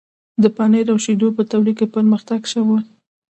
د پنیر او شیدو په تولید کې پرمختګ شو.